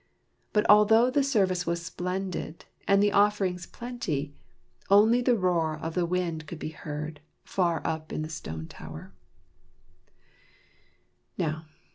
But although the service was splendid, and the offerings plenty, only the roar of the wind could be heard, far up in the stone tower.